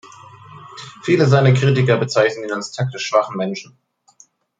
Viele seiner Kritiker bezeichnen ihn als taktisch schwachen Menschen.